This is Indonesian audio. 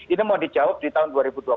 ini mau dijawab di tahun dua ribu dua puluh